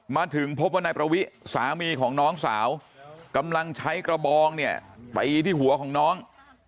มาถึงพบว่านายประวิสามีของน้องสาวกำลังใช้กระบองเนี่ยไปที่หัวของน้อง